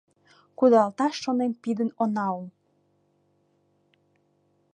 Кудалташ шонен пидын она ул.